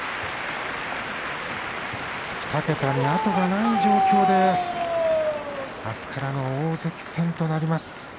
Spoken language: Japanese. ２桁に後がない状況であすからの大関戦となります。